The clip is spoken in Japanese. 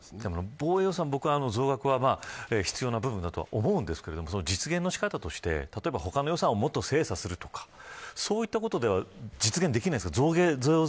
防衛予算、僕は増額は必要な部分だと思うんですが実現の仕方として、例えば他の予算をもっと精査するとかそういったことでは実現できないんですか。